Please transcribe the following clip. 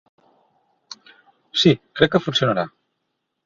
Sí, crec que funcionarà.